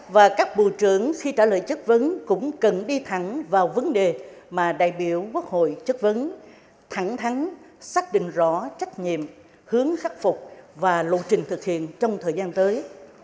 và các bộ trưởng khi trả lời chất vấn cũng cần đi thẳng vào vấn đề mà đại biểu quốc hội chất vấn thẳng thắn xác định rõ trách nhiệm hướng khắc phục và lộ trình thực hiện trong thời gian tới